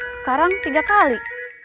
sekarang tiga kali